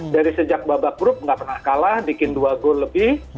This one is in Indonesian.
dari sejak babak grup nggak pernah kalah bikin dua gol lebih